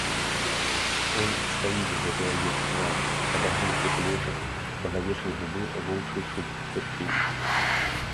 Унь стаіць гэты авечы твар, падагнуўшы плечы, з-пад авечай губы воўчы чуб тырчыць.